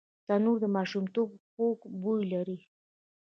تنور د ماشومتوب خوږ بوی لري